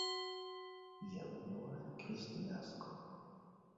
Lia unua Kristnasko!